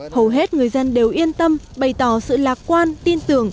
hầu hết người dân đều yên tâm bày tỏ sự lạc quan tin tưởng